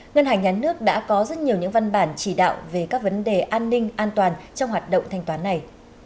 ngân hàng nhà nước đã có rất nhiều những văn bản chỉ đạo về các vấn đề an ninh an toàn trong hoạt động thanh toán này